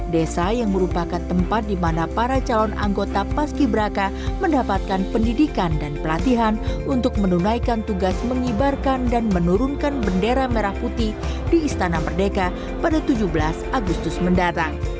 desa yang merupakan tempat di mana para calon anggota paski beraka mendapatkan pendidikan dan pelatihan untuk menunaikan tugas mengibarkan dan menurunkan bendera merah putih di istana merdeka pada tujuh belas agustus mendatang